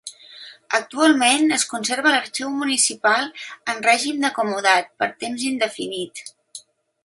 Actualment, es conserva a l'Arxiu Municipal, en règim de comodat per temps indefinit.